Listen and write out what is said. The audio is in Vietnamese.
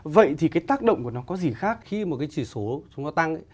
vậy thì cái tác động của nó có gì khác khi một cái chỉ số chúng ta tăng